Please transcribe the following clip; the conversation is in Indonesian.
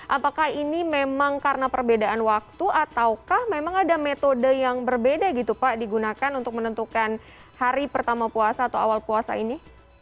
apakah ini memang karena perbedaan waktu ataukah memang ada metode yang berbeda gitu pak digunakan untuk menentukan hari pertama puasa atau awal puasa ini